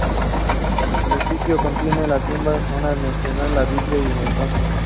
El sitio contiene la tumba de Jonás, mencionado en la "Biblia" y el "Tanaj".